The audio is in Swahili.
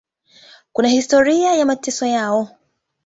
Kuna historia ya mateso yao.